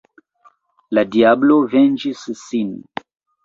La diablo venĝis sin.